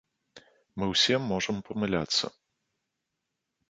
Мы ўсе можам памыляцца.